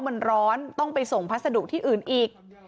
มันร้อนต้องไปส่งพัสดุที่อื่นอีก